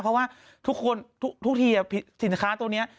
เพราะว่าทุกคนทุกทีสินค้าตัวนี้